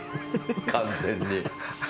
完全に。